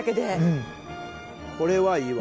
これはいいわ。